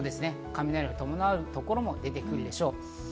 雷を伴うところも出てくるでしょう。